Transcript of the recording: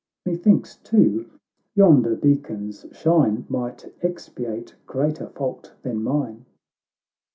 C29 Methinks, too, yonder beacon's shine Might expiate greater fault than mine."